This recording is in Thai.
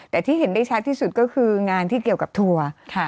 แต่ที่เห็นได้ชัดที่สุดก็คืองานที่เกี่ยวกับทัวร์